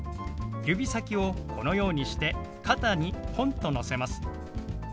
指先をこのようにして肩にポンとのせます。